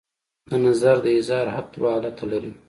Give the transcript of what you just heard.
د نظر د اظهار حق دوه حالته لري.